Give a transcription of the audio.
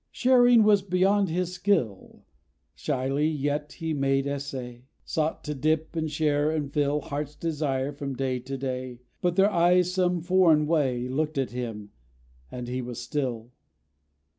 Sharing was beyond his skill; Shyly yet, he made essay: Sought to dip, and share, and fill Heart's desire, from day to day. But their eyes, some foreign way, Looked at him; and he was still.